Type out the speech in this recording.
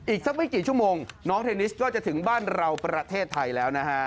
อีกสักไม่กี่ชั่วโมงน้องเทนนิสก็จะถึงบ้านเราประเทศไทยแล้วนะฮะ